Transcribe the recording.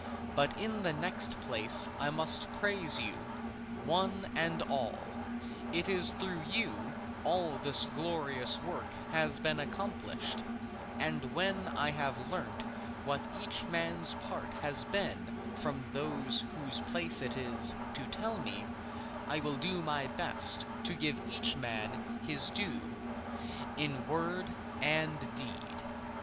But in the next place I must praise you, one and all; it is through you all that this glorious work has been accomplished, and when I have learnt what each man's part has been from those whose place it is to tell me, I will do my best to give each man his due, in word and deed.